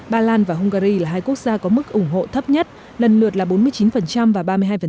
ba lan và hungary là hai quốc gia có mức ủng hộ thấp nhất lần lượt là bốn mươi chín và ba mươi hai